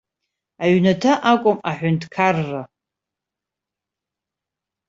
Аҩнаҭа акәым аҳәынҭқарра!